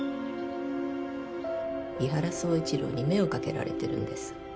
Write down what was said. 伊原総一郎に目をかけられてるんです